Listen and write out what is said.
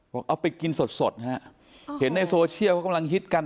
เอาไปกินสดสดฮะเห็นในโซเชียลเขากำลังฮิตกัน